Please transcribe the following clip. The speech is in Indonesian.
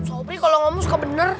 sopri kalau ngomong suka bener